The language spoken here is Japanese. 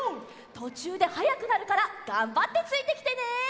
とちゅうではやくなるからがんばってついてきてね。